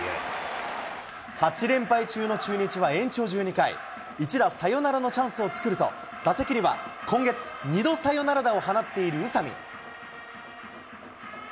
８連敗中の中日は延長１２回、１打サヨナラのチャンスを作ると、打席には今月、２度サヨナラ打を放っている宇佐見。